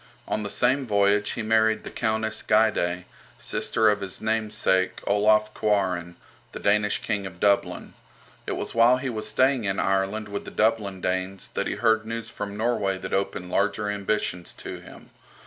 On the same voyage he married the Countess Gyde, sister of his namesake, Olaf Kvaran, the Danish King of Dublin. It was while he was staying in Ireland with the Dublin Danes that he heard news from Norway that opened larger ambitions to him.